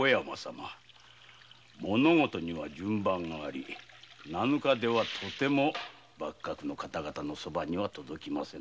物事には順番があり七日ではとても幕閣の方々のそばには届きませぬ。